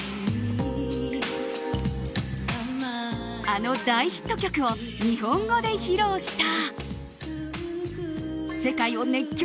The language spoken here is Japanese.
あの大ヒット曲を日本語で披露した。